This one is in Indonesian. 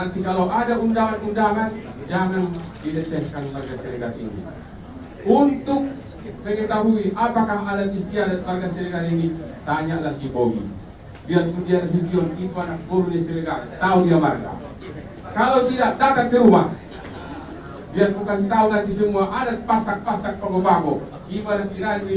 kita akan berhasil mencapai kesempatan ini